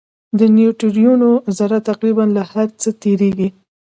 د نیوټرینو ذره تقریباً له هر څه تېرېږي.